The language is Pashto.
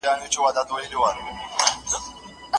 که تاسو روغ یاست، نو له ککړو او ناپاکو اوبو څخه ځان وساتئ.